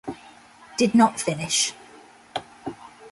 Did not finish.